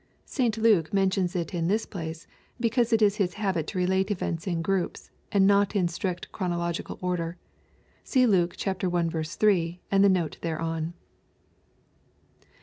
St Luke mentions it in this place, because it is his habit to relate events in groups, and not in strict chronological order. See Luke L 3, and file note thereon.